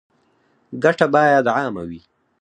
ګټه باید عامه وي